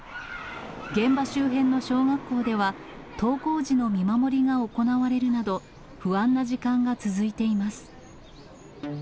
現場周辺の小学校では、登校時の見守りが行われるなど、不安な時間が続いています。